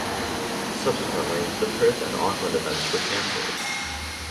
Subsequently the Perth and Auckland events were cancelled.